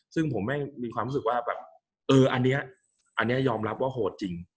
ซึ่งผมไม่มีความรู้สึกว่าแบบเอออันนี้อันนี้ยอมรับว่าโหดจริง